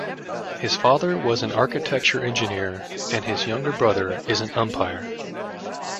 His father was an architecture engineer and his younger brother is an umpire.